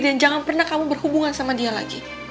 dan jangan pernah kamu berhubungan sama dia lagi